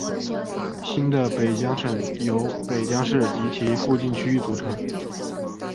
新的北江省由北江市及其附近区域组成。